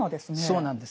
そうなんですね。